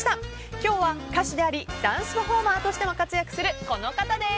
今日は歌手でありダンスパフォーマーとしても活躍するこの方です。